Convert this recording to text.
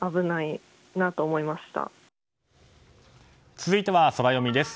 続いては、ソラよみです。